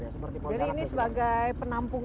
jadi ini sebagai penampungan